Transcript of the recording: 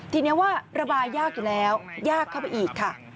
ทีนี้ว่าระบายยากอยู่แล้วยากเข้าไปอีกค่ะ